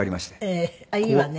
ええ。あっいいわね。